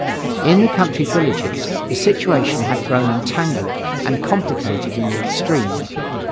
In the country villages, the situation had grown entangled and complicated in the extreme.